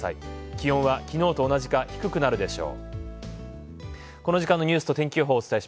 気温は昨日と同じか低くなるでしょう。